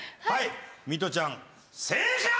はいミトちゃん正解！